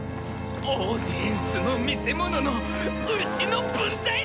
オーディエンスの見せ物のウシの分際で！